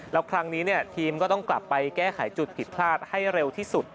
แล้วครั้งนี้ทีมก็ต้องกลับไปแก้ไขจุดผิดพลาดให้เร็วที่สุด